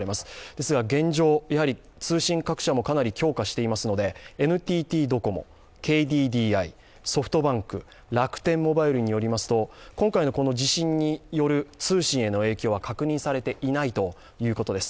ですが現状、通信各社もかなり強化していますのでＮＴＴドコモＫＤＤＩ、ソフトバンク、楽天モバイルによりますと、今回の地震による通信への影響は確認されていないということです。